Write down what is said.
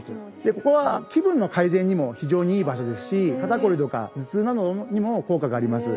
ここは気分の改善にも非常にいい場所ですし肩こりとか頭痛などにも効果があります。